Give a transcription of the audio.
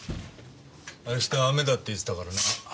明日雨だって言ってたからな。